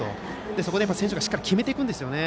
そこで選手がしっかり決めていくんですね。